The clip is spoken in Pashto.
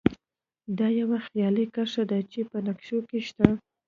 دا یوه خیالي کرښه ده چې په نقشو کې شته